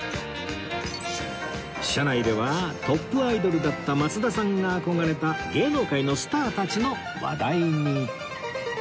車内ではトップアイドルだった増田さんが憧れた芸能界のスターたちの話題に